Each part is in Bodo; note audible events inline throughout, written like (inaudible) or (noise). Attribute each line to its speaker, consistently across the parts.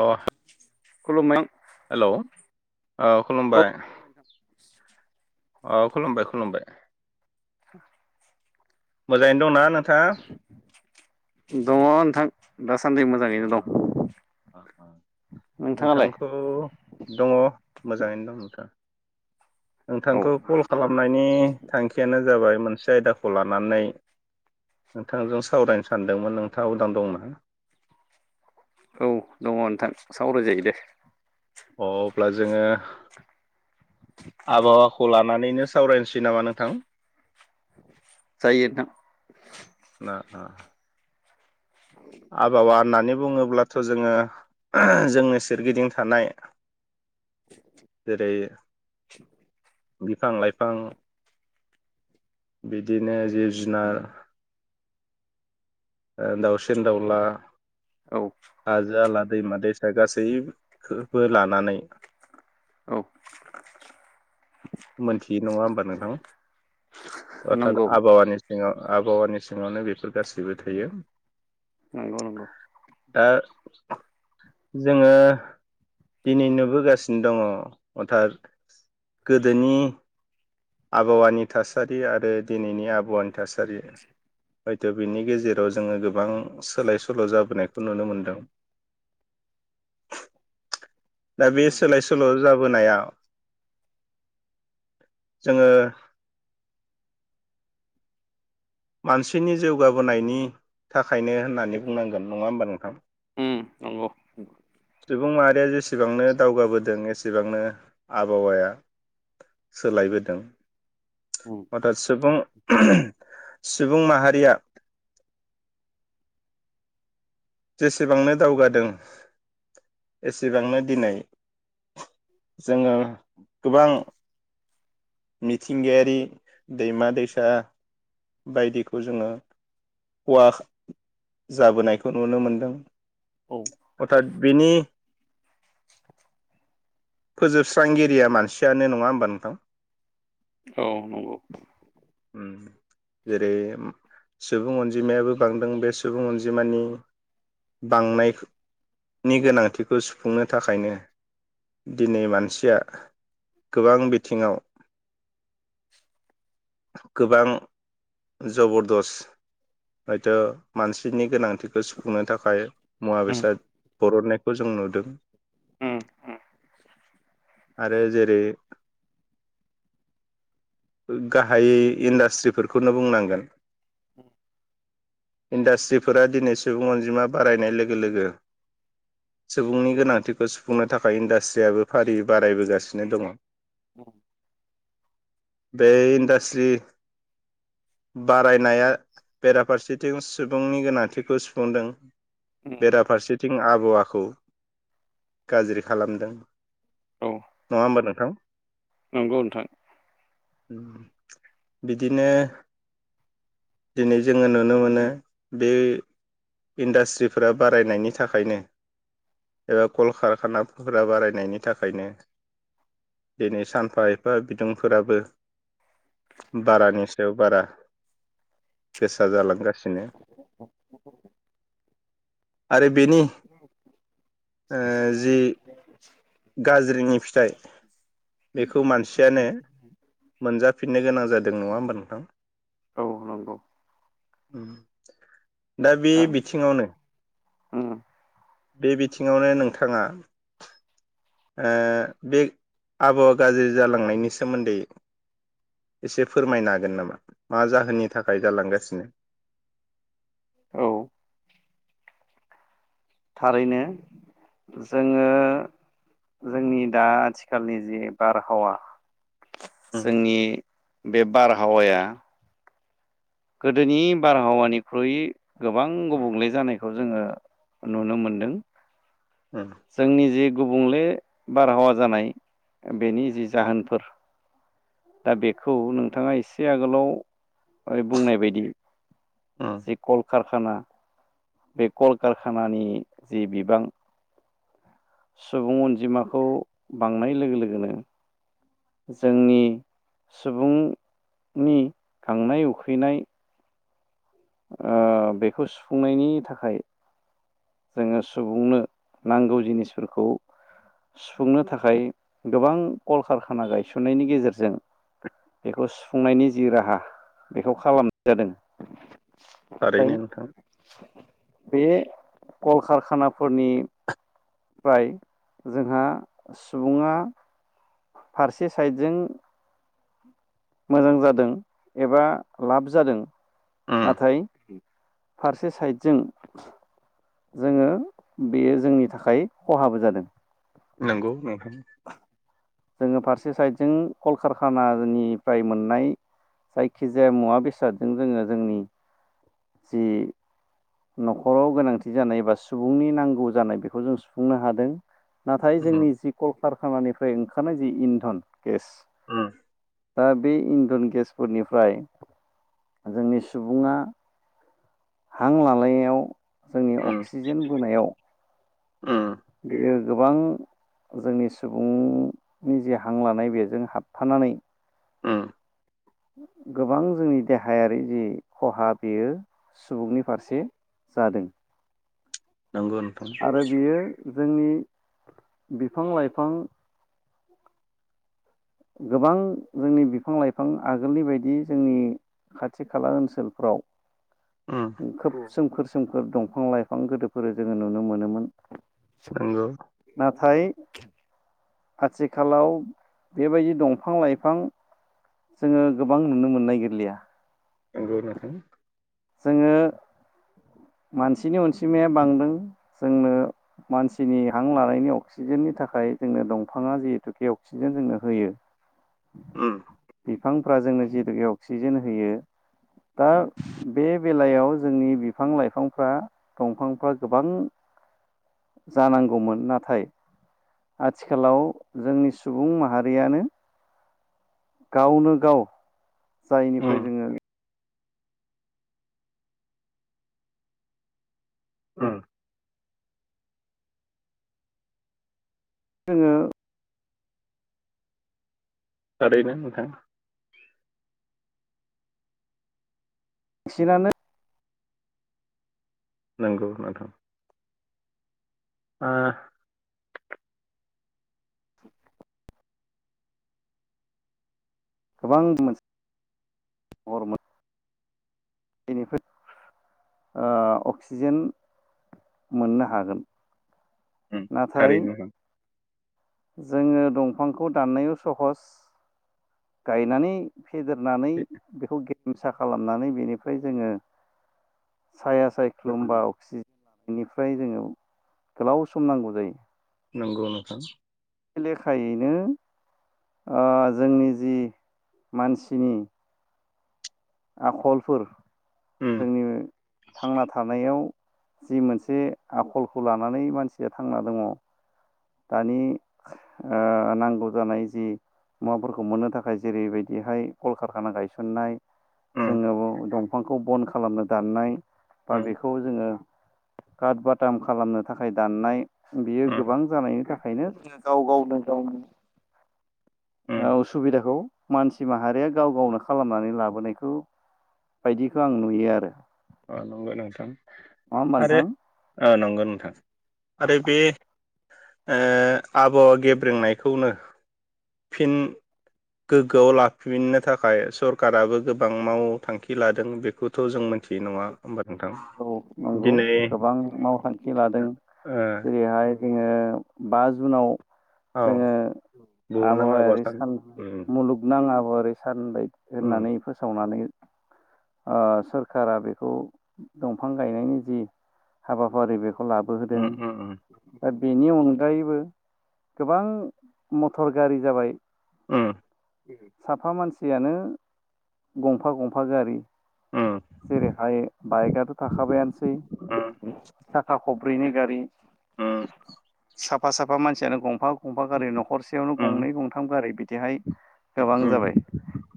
Speaker 1: अ
Speaker 2: खुलुमबाय
Speaker 1: हेल'। औ खुलुमबाय, औ खुलुमबाय खुलुमबाय।
Speaker 2: (inaudible)
Speaker 1: मोजाङैनो दंना नोंथाङा?
Speaker 2: दङ' नोंथां दासान्दि
Speaker 1: अ
Speaker 2: मोजाङैनो दं।
Speaker 1: अ अ
Speaker 2: नोंथाङालाय
Speaker 1: नोंथांखौ दङ' मोजाङैनो दं नोंथां।
Speaker 2: औ
Speaker 1: नोंथांखौ कल खालामनायनि थांखियानो जाबाय मोनसे आयदाखौ लानानै नोंथांजों सावरायनो सानदोंमोन नोंथाङा उदां दं ना?
Speaker 2: औ दङ' नोंथां, सावराय जायो दे।
Speaker 1: अ अब्ला जोङो आबहावाखौ लानानैनो सावरायनोसै नामा नोंथां?
Speaker 2: जायो नोंथां।
Speaker 1: ना आ।
Speaker 2: (unintelligible)
Speaker 1: आबहावा होननानै बुङोब्लाथ' जोङो जोंनि सोरगिदिं थानाय जेरै बिफां लाइफां बिदिनो जिब जुनार दावसिन दाउला
Speaker 2: औ।
Speaker 1: हाजो हाला दैमा दैसा गासैबो लानानै
Speaker 2: औ
Speaker 1: मोनथिय नंङा होमबा नोंथां अर्थत
Speaker 2: नंगौ
Speaker 1: आबहावानि सिङाव आबहावानि सिङावनो बेफोर गासैबो थायो।
Speaker 2: नंगौ नंगौ।
Speaker 1: दा जोङो दिनै नुबोगासिनो दङ हथार गोदोनि। आबहावानि थासारि आरो दिनैनि आबहावानि थासारि हयथ' बिनि गेजेराव जोंङो गोबां सोलाय सोल' जाबोनायखौ नुनो मोनदों। दा बे सोलाय सोल' जाबोनायाव जोङो मानसिनि जौगाबोनायनि थाखायनो होननानै बुंनांगोन नङा होमबा नोंथां।
Speaker 2: उम नंगौ।
Speaker 1: सुबुं माहारिया जेसेबांनो दावगाबोदों एसेबांनो आबहावाया सोलायबोदों
Speaker 2: उम
Speaker 1: सुबुं सुबुं माहारिया जेसेबांनो दावगादों एसेबांनो दिनै जोंङो गोबां मिथिंगायारि दैमा दैसा बायदिखौ जोंङो हवा जाबोनायखौ नुनो मोनदों
Speaker 2: औ
Speaker 1: अर्थात बिनि फोजोबस्रांगिरिया मानसियानो नङा होमबा नोंथां।
Speaker 2: औ नंगौ।
Speaker 1: उम जेरै सुबुं अनजिमायाबो बांदों बे सुबुं अनजिमानि बांनाय नि गोनांथिखौ सुफुंनो थाखायनो दिनै मानसिया गोबां बिथिंङाव
Speaker 2: (inaudible)
Speaker 1: गोबां जबरदस्त हयथ' मानसिनि गोनांथि बेखौ सुफुंनो थाखाय मुवा
Speaker 2: उम
Speaker 1: बेसाद बरननायखौ जों नुदों
Speaker 2: उम
Speaker 1: आरो जेरै गाहायै इन्डास्ट्रिफोरखौनो बुंनांगोन इन्डास्ट्रिफोरा दिनै सुबुं अनजिमा बारायनाय लोगो लोगो सुबुंनि गोनांथिखौ सुफुंनो थाखाय इन्डास्ट्रियाबो फारि बारायबोगासिनो दंङ
Speaker 2: औ।
Speaker 1: बे इन्डास्ट्रि बारायनाया बेराफारसेथिं सुबुंनि गोनांथिखौ सुफुंदों
Speaker 2: उम
Speaker 1: बेराफारसेथिं आबहावाखौ गाज्रि खालामदों
Speaker 2: औ
Speaker 1: नङा होमबा नोंथां।
Speaker 2: नंगौ नोंथां।
Speaker 1: बिदिनो दिनै जोंङो नुनो मोनो बे इन्डास्ट्रिफोरा बारायनायनि थाखायनो एबा कलकारखानाफोरा बारायनायनि थाखायनो दिनै सानफा एफा बिदुंफोराबो बारानि सायाव बारा गोसा जालांगासिनो आरो बेनि ओ जि गाज्रिनि फिथाइ बेखौ मानसियानो मोनजाफिननो गोनां जादों नंङा होमबा नोंथां?
Speaker 2: औ नंगौ
Speaker 1: दा बे बिथिङावनो
Speaker 2: उम
Speaker 1: बे बिथिङावनो नोंथाङा आ बे आबहावा गाज्रि जालांनायनि सोमोन्दै एसे फोरमायनो हागोन नामा? मा जाहोननि थाखाय जालांगासिनो?
Speaker 2: औ। थारैनो। जोङो जोंनि दा आथिखालनि जि बारहावा।
Speaker 1: उम
Speaker 2: जोंनि बे बारहावाया गोदोनि बारहावानिख्रुइ गोबां गुबुंले जानायखौ जोङो नुनो मोनदों।
Speaker 1: (unintelligible)
Speaker 2: जोंनि जि गुबुंले बारहावा जानाय, बेनि जि जाहोनफोर दा बेखौ नोंथांङा एसे आगोलाव बुंनाय बायदि
Speaker 1: (unintelligible)
Speaker 2: जि कलकारखाना बे कल कारखानानि जि बिबां सुबुं अनजिमाखौ बांनाय लोगो लोगोनो जोंनि सुबुंनि गांनाय उखैनाय बेखौ सुफुंनायनि थाखाय जोंङो सुबुंनो नांगौ जिनिसफोरखौ सुफुंनो थाखाय गोबां कलकारखाना गायसननायनि गेजेरजों बेखौ सुफुंनायनि जि राहा बेखौ खालामनाय जादों। नाथाय
Speaker 1: थारैनो नोंथां
Speaker 2: बे कलकारखानाफोरनि फ्राय जोंहा सुबुंङा फारसे साइडजों मोजां जादों एबा लाब जादों,
Speaker 1: उम
Speaker 2: नाथाय! फारसे साइडजों। जोङो बेयो जोंनि थाखाय खहाबो जादों।
Speaker 1: नंगौ नोंथां।
Speaker 2: जोंङो फारसे साइडजों कलकारखानानिफ्राय मोननाय। जायखिजाया मुवा बेसादजों जोङो जोंनि जि न'खराव गोनांथि जानाय एबा सुबुंनि नांगौ जानाय बेखौ जों सुफुंनो हादों। नाथाय
Speaker 1: उम
Speaker 2: जोंनि जि कलकारखानानिफ्राय ओंखारनाय जि इन्धन गेस
Speaker 1: उम
Speaker 2: दा बे इन्जन गेसफोरनिफ्राय जोंनि सुबुंङा हां लानायाव जोंनि
Speaker 1: उम
Speaker 2: अक्सिजेन बोनायाव।
Speaker 1: उम।
Speaker 2: बियो गोबां जोंनि सुबुंनि जि हां लानाय बेजों हाबफानानै
Speaker 1: उ
Speaker 2: गोबां जोंनि देहायारि जि खहा बेयो सुबुंनि फारसे जादों।
Speaker 1: नांगोन
Speaker 2: आरो बियो जोंनि बिफां लाइफां गोबां जोंनि बिफां लाइफां आगोलनि बायदि जोंनि खाथि खाला ओनसोलफ्राव
Speaker 1: उ
Speaker 2: खोब सोमखोर सोमखोर दंफां लाइफां गोदोफोर जोङो नुनो मोनोमोन।
Speaker 1: नंगौ।
Speaker 2: नाथाय आथिखालाव बेबायदि दंफां लाइफां जोङो गोबां नुनो मोननाय गोरलिया
Speaker 1: नंगौ नोंथां।
Speaker 2: जोङो मानसिनि अनसिमाया बांदों जोंनो मानसिनि हां लानायनि अक्सिजेननि थाखाय जोंनो दंफाङा जिहेतु अक्सिजेन जोंनो होयो।
Speaker 1: उम
Speaker 2: बिफांफ्रा जोंनो जिथुखे अक्सिजेन होयो दा बे बेलायाव जोंनि बिफां लाइफांफ्रा दंफांफ्रा गोबां जानांगौमोन नाथाय आथिखालाव जोंनि सुबुं माहारियानो गावनो गाव जायनिफ्राय
Speaker 1: उम
Speaker 2: जोङो
Speaker 1: उम
Speaker 2: जोङो
Speaker 1: थारैनो नोंथां।
Speaker 2: बांसिनानो
Speaker 1: नंगौ नोंथां ओ
Speaker 2: गोबां मोनसे (inaudible) बेनिफ्राय अक्सिजेन मोननो हागोन
Speaker 1: उम
Speaker 2: नाथाय
Speaker 1: थारैनो
Speaker 2: जोङो दंफांखौ दाननायाव सहस गायनानै फेदेरनानै
Speaker 1: बे
Speaker 2: बेखौ सा खालामनानै बेनिफ्राय जोङो साया सायख्लुमबा अक्सि बेनिफ्राय जोङो गोलाव सम नांगौ जायो।
Speaker 1: नंगौ नोथां।
Speaker 2: बे लेखायैनो ओ जोंनि जि मानसिनि आखलफोर
Speaker 1: उम
Speaker 2: जोंनि थांना थानायाव जि मोनसे आखलखौ लानानै मानसिया थांना दङ दानि नांगौ जानाय जि मुवाफोरखौ मोननो थाखाय जेरैबायदिहाय कलकारखाना गायसननाय
Speaker 1: उम
Speaker 2: जोङो दंफांखौ बन खालामनो दाननाय बा
Speaker 1: उम
Speaker 2: बेखौ जोङो कार्ड बाटाम खालामनो थाखाय दाननाय बेयो
Speaker 1: उम
Speaker 2: गोबां जानायनि थाखायनो गाव गावनो गावनि
Speaker 1: उम
Speaker 2: ओ उसुबिदाखौ मानसि माहारिया गाव गावनो खालामनानै लाबोनायखौ बायदिखौ आं नुयो आरो।
Speaker 1: अ नंगौ नोंथां
Speaker 2: नङा होमबा
Speaker 1: आरो
Speaker 2: नोंथां
Speaker 1: ओ नंगौ नोंथां। आरो बे ओ आबहावा गेब्रेंनायखौनो फिन गोग्गोआव लाफिननो थाखाय सरकाराबो गोबां मावथांखि लादों बेखौ बेथ' जों मोनथियो नङा होमबा नोंथां।
Speaker 2: नांगौ
Speaker 1: दिनै
Speaker 2: गोबां मावथांखि लादों
Speaker 1: ओ
Speaker 2: जेरैहाय जोङो बा जुनाव
Speaker 1: औ
Speaker 2: जोङो
Speaker 1: बुहुमनां आबाद
Speaker 2: आबहावायारि सान
Speaker 1: उम
Speaker 2: मुलुग नाङाबो ओरै सानबाय
Speaker 1: उम
Speaker 2: होननानै फोसावनानै ओ सोरखारा बेख खौ दंफां गायनायनि जि हाबाफारि बेखौ लाबोहोदों
Speaker 1: उम उम
Speaker 2: दा बेनि अनगायैबो गोबां मटर गारि जाबाय।
Speaker 1: ओम
Speaker 2: साफा मानसियानो गंफा गंफा गारि
Speaker 1: उम
Speaker 2: जेरैहाय बाइकआथ' थाखाबायानोसै (unintelligible) साखा खब्रैनि गारि
Speaker 1: ओय
Speaker 2: साफा साफा मानसियानो गंफा गंफा गारि न'खरसेयावनो
Speaker 1: उम
Speaker 2: गंनै गंथाम गारि बिदिहाय गोबां
Speaker 1: उम
Speaker 2: जाबाय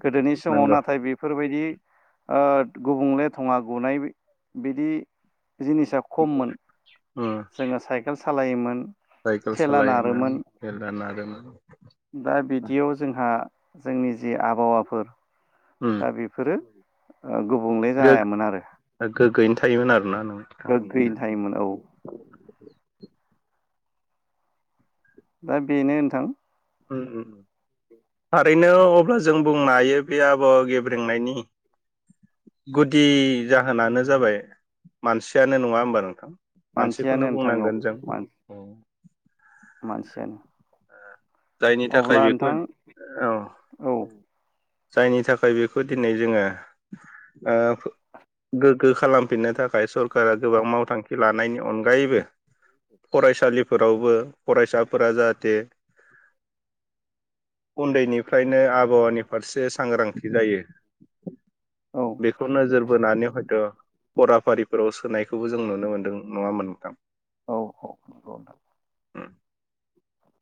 Speaker 2: गोदोनि समाव
Speaker 1: नंगौ
Speaker 2: नाथाय बेफोरबायदि ओ गुबुंले थङा गुनाय बिदि जिनिसा खममोन
Speaker 1: उम
Speaker 2: जोङो साइकेल सालायोमोन
Speaker 1: साइकेल
Speaker 2: थेला
Speaker 1: सालायोमोन
Speaker 2: नारोमोन
Speaker 1: मेरला नारोमोन
Speaker 2: दा बिदियाव जोंहा जोंनि जि आबहावाफोर
Speaker 1: उम
Speaker 2: दा बेफोरो ओ गुबुंले जायामोन आरो
Speaker 1: दा गोग्गोयै थायोमोन आरो ना नों
Speaker 2: गोगैयनो थायोमोन औ दा बेनो होनथां
Speaker 1: उम थारैनो अब्ला जों बुंनो हायो बे आबहावा गेब्रेंनायनि गुदि जाहोनानो जाबाय मानसियानो नङा होमबा नोंथां
Speaker 2: मानसियानो
Speaker 1: मानसिखौनो
Speaker 2: नोंथां
Speaker 1: बुंनांगोन जों
Speaker 2: औ मानसियानो
Speaker 1: जायनि थाखाय
Speaker 2: अब्ला
Speaker 1: बेखौ
Speaker 2: नोंथां
Speaker 1: औ
Speaker 2: औ
Speaker 1: जायनि थाखाय बेखौ दिनै जोङो ओ गोग्गो खालामफिननो थाखाय (unintelligible) सरकारा गोबां मावथांखि लानायनि अनग अरायबो फरायसालिफोरावबो फरायसाफोरा जाहाथे उन्दैनिफ्रायनो आबहावानिफ्राय फारसे सांग्रांथि जायो बेखौ नोजोर बोनानै हयथ' फराफारिफोराव सोनायखौबो जों नुनो मोन्दों नङा होमब्ला नोंथां
Speaker 2: औ औ औ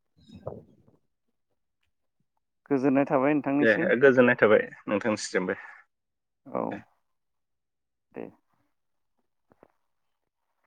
Speaker 2: (inaudible) गोजोन्नाय थाबाय
Speaker 1: दे
Speaker 2: नोंथांनिसिम
Speaker 1: गोजोननाय थाबाय नोंथांसिमबो
Speaker 2: औ दे